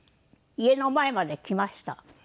家の前まで来ました。